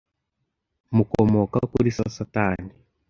mukomoka kuri so Satani